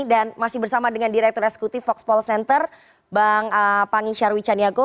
dan masih bersama dengan direktur eksekutif vox pol center bang pangy syarwi chaniago